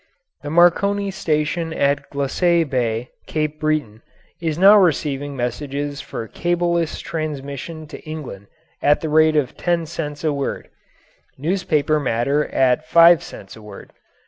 The Marconi station at Glacé Bay, Cape Breton, is now receiving messages for cableless transmission to England at the rate of ten cents a word newspaper matter at five cents a word.